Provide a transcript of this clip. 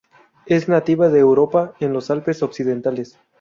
Es nativa de Europa en los Alpes occidentales.